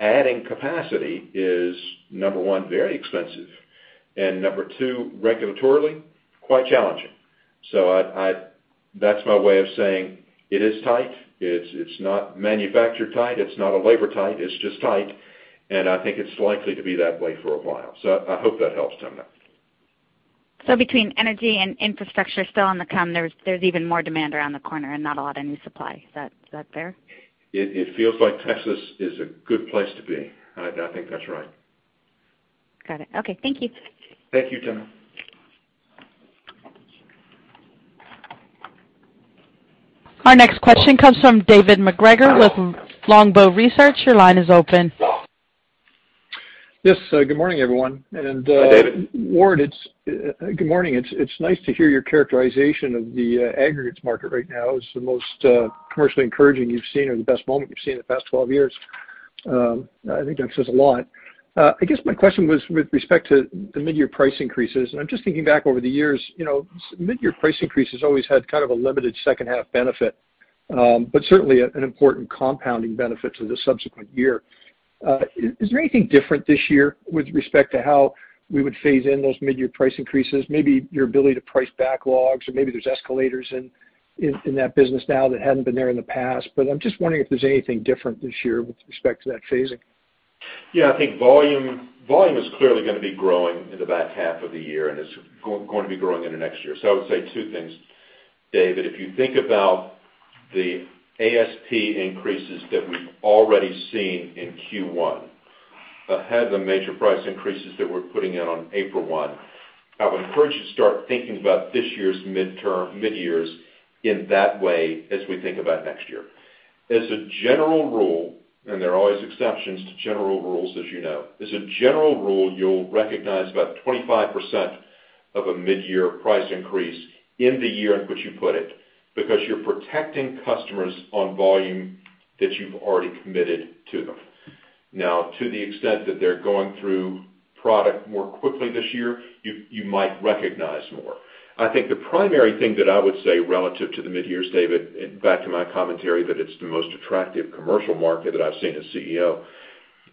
adding capacity is, number one, very expensive, and number two, regulatorily, quite challenging. That's my way of saying it is tight. It's not manufactured tight, it's not a labor tight, it's just tight, and I think it's likely to be that way for a while. I hope that helps, Timna. Between energy and infrastructure still on the come, there's even more demand around the corner and not a lot of new supply. Is that fair? It feels like Texas is a good place to be. I think that's right. Got it. Okay. Thank you. Thank you, Timna. Our next question comes from David MacGregor with Longbow Research. Your line is open. Yes. Good morning, everyone. Hi, David. Ward, it's good morning. It's nice to hear your characterization of the aggregates market right now. It's the most commercially encouraging you've seen or the best moment you've seen in the past twelve years. I think that says a lot. I guess my question was with respect to the midyear price increases, and I'm just thinking back over the years, you know, midyear price increases always had kind of a limited second half benefit, but certainly an important compounding benefit to the subsequent year. Is there anything different this year with respect to how we would phase in those midyear price increases? Maybe your ability to price backlogs or maybe there's escalators in that business now that hadn't been there in the past. I'm just wondering if there's anything different this year with respect to that phasing. Yeah. I think volume is clearly gonna be growing into that half of the year and is going to be growing into next year. I would say two things, David. If you think about the ASP increases that we've already seen in Q1 ahead of the major price increases that we're putting out on April 1, I would encourage you to start thinking about this year's midyears in that way as we think about next year. As a general rule, and there are always exceptions to general rules, as you know, as a general rule, you'll recognize about 25% of a midyear price increase in the year in which you put it because you're protecting customers on volume that you've already committed to them. Now, to the extent that they're going through product more quickly this year, you might recognize more. I think the primary thing that I would say relative to the midyears, David, back to my commentary that it's the most attractive commercial market that I've seen as CEO,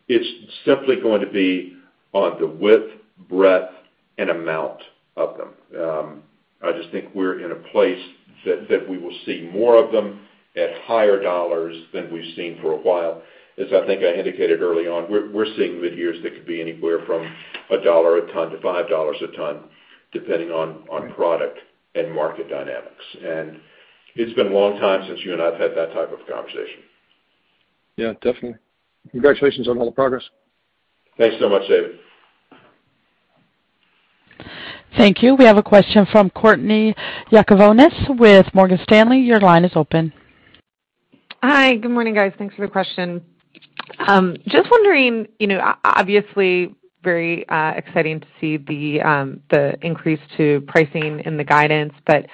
it's simply going to be on the width, breadth, and amount of them. I just think we're in a place that we will see more of them at higher dollars than we've seen for a while. As I think I indicated early on, we're seeing midyears that could be anywhere from $1 a ton to $5 a ton, depending on product and market dynamics. It's been a long time since you and I have had that type of conversation. Yeah, definitely. Congratulations on all the progress. Thanks so much, David. Thank you. We have a question from Courtney Yakavonis with Morgan Stanley. Your line is open. Hi. Good morning, guys. Thanks for the question. Just wondering, you know, obviously very exciting to see the increase to pricing in the guidance, but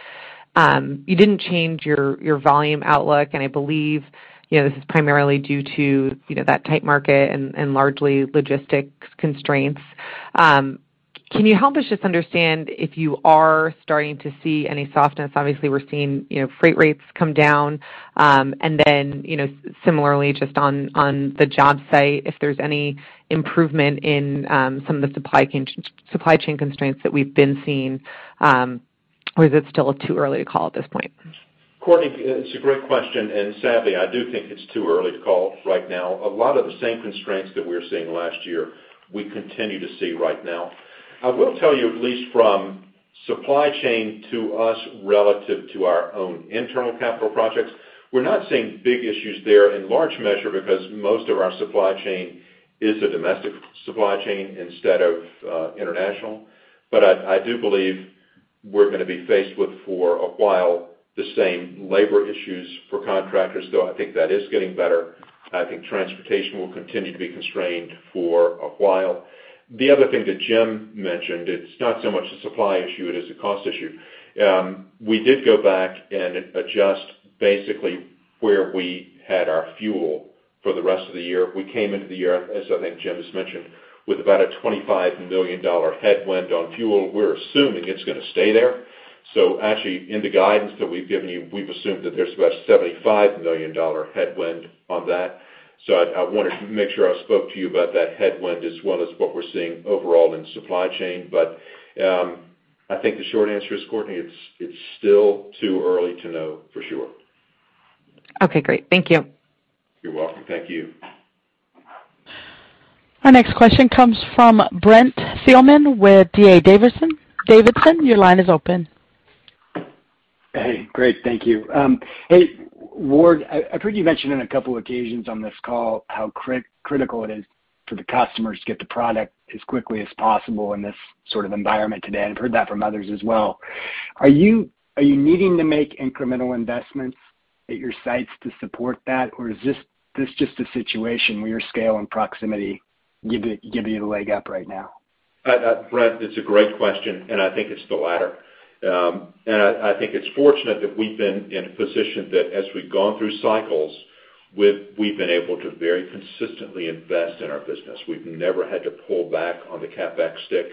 you didn't change your volume outlook, and I believe, you know, this is primarily due to, you know, that tight market and largely logistics constraints. Can you help us just understand if you are starting to see any softness? Obviously, we're seeing, you know, freight rates come down. And then, you know, similarly just on the job site, if there's any improvement in some of the supply chain constraints that we've been seeing, or is it still too early to call at this point? Courtney, it's a great question, and sadly, I do think it's too early to call right now. A lot of the same constraints that we were seeing last year, we continue to see right now. I will tell you, at least from supply chain to us relative to our own internal capital projects, we're not seeing big issues there in large measure because most of our supply chain is a domestic supply chain instead of international. But I do believe we're gonna be faced with, for a while, the same labor issues for contractors, though I think that is getting better. I think transportation will continue to be constrained for a while. The other thing that Jim mentioned, it's not so much a supply issue, it is a cost issue. We did go back and adjust basically where we had our fuel for the rest of the year. We came into the year, as I think Jim just mentioned, with about a $25 million headwind on fuel. We're assuming it's gonna stay there. Actually, in the guidance that we've given you, we've assumed that there's about a $75 million headwind on that. I wanted to make sure I spoke to you about that headwind as well as what we're seeing overall in supply chain. I think the short answer is, Courtney, it's still too early to know for sure. Okay, great. Thank you. You're welcome. Thank you. Our next question comes from Brent Thielman with D.A. Davidson. Your line is open. Hey, great. Thank you. Hey, Ward, I've heard you mention on a couple occasions on this call how critical it is for the customers to get the product as quickly as possible in this sort of environment today, and I've heard that from others as well. Are you needing to make incremental investments at your sites to support that? Or is this just a situation where your scale and proximity give you a leg up right now? Brent, it's a great question, and I think it's the latter. I think it's fortunate that we've been in a position that as we've gone through cycles, we've been able to very consistently invest in our business. We've never had to pull back on the CapEx stick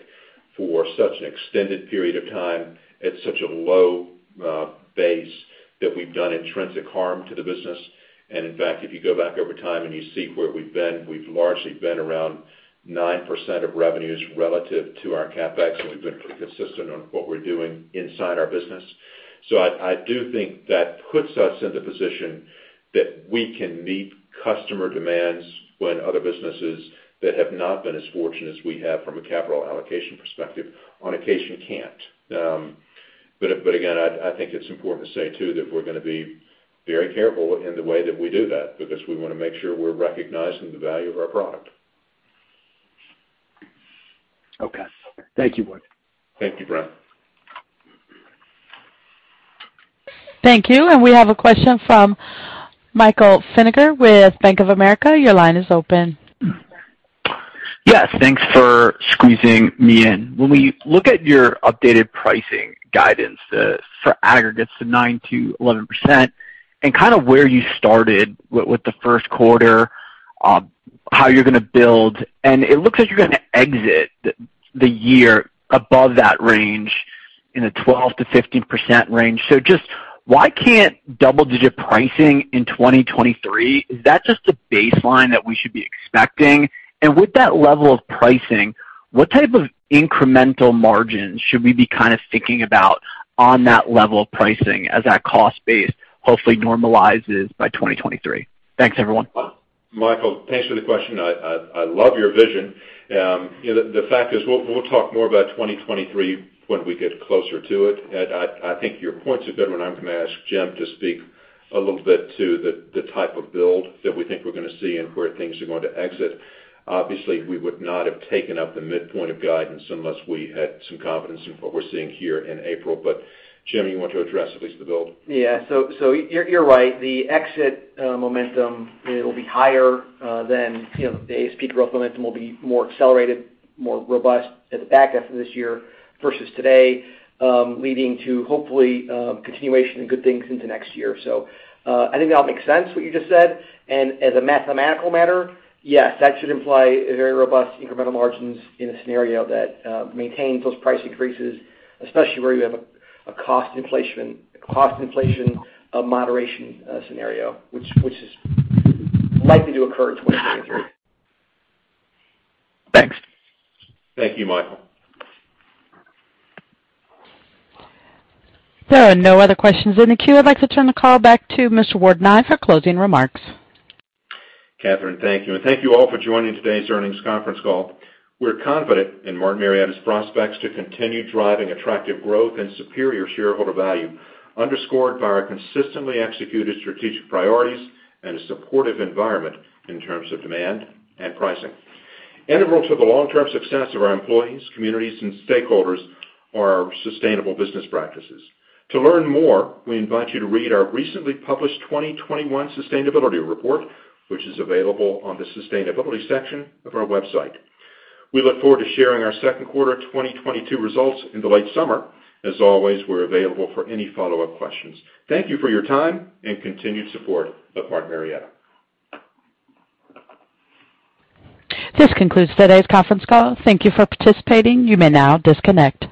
for such an extended period of time at such a low base that we've done intrinsic harm to the business. In fact, if you go back over time and you see where we've been, we've largely been around 9% of revenues relative to our CapEx, and we've been consistent on what we're doing inside our business. I do think that puts us in the position that we can meet customer demands when other businesses that have not been as fortunate as we have from a capital allocation perspective on occasion can't. Again, I think it's important to say too that we're gonna be very careful in the way that we do that because we wanna make sure we're recognizing the value of our product. Okay. Thank you, Ward. Thank you, Brent. Thank you. We have a question from Michael Feniger with Bank of America. Your line is open. Yes, thanks for squeezing me in. When we look at your updated pricing guidance, the sort of aggregates of 9%-11%, and kind of where you started with the first quarter, how you're gonna build, and it looks like you're gonna exit the year above that range in the 12%-15% range. Just why can't double-digit pricing in 2023, is that just a baseline that we should be expecting? With that level of pricing, what type of incremental margins should we be kind of thinking about on that level of pricing as that cost base hopefully normalizes by 2023? Thanks, everyone. Michael, thanks for the question. I love your vision. You know, the fact is we'll talk more about 2023 when we get closer to it. I think your points are good, and I'm gonna ask Jim to speak a little bit to the type of build that we think we're gonna see and where things are going to exit. Obviously, we would not have taken up the midpoint of guidance unless we had some confidence in what we're seeing here in April. Jim, you want to address at least the build? Yeah. So you're right. The exit momentum, it'll be higher than, you know, the ASP growth momentum will be more accelerated, more robust at the back end for this year versus today, leading to hopefully, continuation and good things into next year. So I think that all makes sense what you just said. As a mathematical matter, yes, that should imply a very robust incremental margins in a scenario that maintains those price increases, especially where you have a cost inflation moderation scenario, which is likely to occur in 2023. Thanks. Thank you, Michael. There are no other questions in the queue. I'd like to turn the call back to Mr. Ward Nye for closing remarks. Katherine, thank you. Thank you all for joining today's earnings conference call. We're confident in Martin Marietta's prospects to continue driving attractive growth and superior shareholder value, underscored by our consistently executed strategic priorities and a supportive environment in terms of demand and pricing. Integral to the long-term success of our employees, communities, and stakeholders are our sustainable business practices. To learn more, we invite you to read our recently published 2021 sustainability report, which is available on the sustainability section of our website. We look forward to sharing our second quarter of 2022 results in the late summer. As always, we're available for any follow-up questions. Thank you for your time and continued support of Martin Marietta. This concludes today's conference call. Thank you for participating. You may now disconnect.